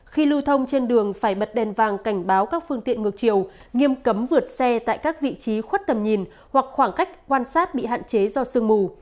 khi lưu thông trên đường phải bật đèn vàng cảnh báo các phương tiện ngược chiều nghiêm cấm vượt xe tại các vị trí khuất tầm nhìn hoặc khoảng cách quan sát bị hạn chế do sương mù